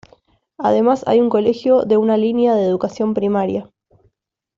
Además hay un colegio de una línea de educación primaria.